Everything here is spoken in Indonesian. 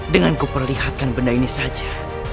dengan kuperlihatkan benda ini saja